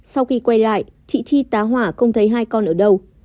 sau khi quay lại chị chi tá hỏa không thấy hai con ở đâu